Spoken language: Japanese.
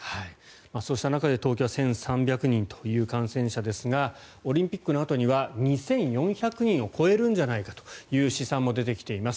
そうした中で、東京は１３００人という感染者ですがオリンピックのあとには２４００人を超えるんじゃないかという試算も出てきています。